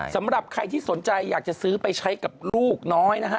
สำหรับใครที่สนใจอยากจะซื้อไปใช้กับลูกน้อยนะฮะ